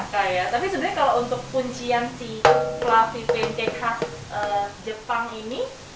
kayak tapi sebenarnya kalau untuk kuncian si fluffy pancake khas jepang ini